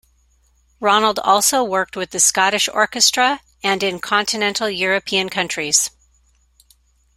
Ronald also worked with the Scottish Orchestra, and in continental European countries.